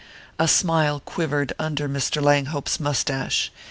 A smile quivered under Mr. Langhope's moustache.